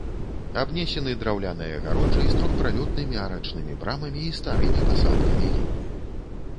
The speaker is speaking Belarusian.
Абнесены драўлянай агароджай з трохпралётнымі арачнымі брамамі і старымі пасадкамі ліпы.